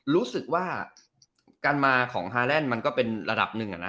รู้สึกว่าการมาของฮาแลนด์มันก็เป็นระดับหนึ่ง